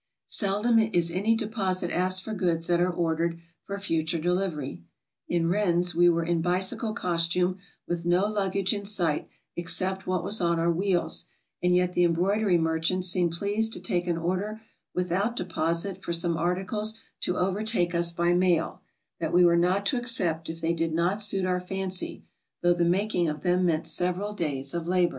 Seldom is any deposit asked for goods that are ordered for future delivery. In Rennes we were in bicycle costume, with no luggage in sight except w'hat was on our w^heels, and yet the embroidery merchant seemed pleased to take an order without deposit for some articles to overtake us by mail, that we were not to accept if they did not suit our fancy, though the making of them meant several days of labor.